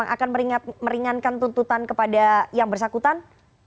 akan meringankan tuntutan kepada yang bersangkutan